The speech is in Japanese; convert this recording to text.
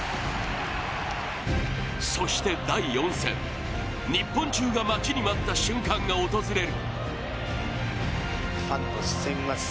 そして第４戦、日本中が待ちに待った瞬間が訪れる。